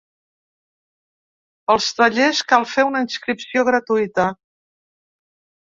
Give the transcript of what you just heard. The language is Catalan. Pels tallers cal fer una inscripció gratuïta.